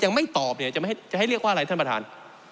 ยังไม่ตอบเนี่ยจะให้เรียกว่าอะไรท่านประธาน